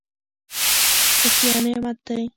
روغتیا نعمت دی.